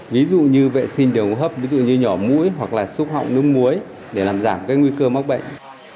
ví dụ như vệ sinh đều hấp ví dụ như nhỏ mũi hoặc là xúc họng nước muối để làm giảm cái nguy cơ mắc bệnh